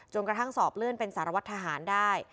กระทั่งสอบเลื่อนเป็นสารวัตรทหารได้